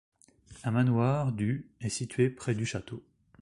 Un manoir du est situé près du château.